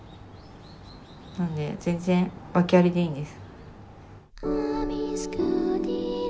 なので全然ワケありでいいんです。